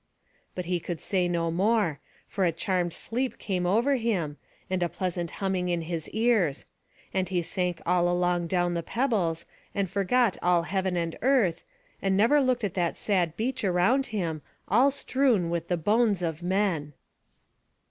But he could say no more; for a charmed sleep came over him, and a pleasant humming in his ears; and he sank all along upon the pebbles, and forgot all heaven and earth, and never looked at that sad beach around him, all strewn with the bones of men.